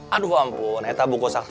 aduh ampun etabung kosakti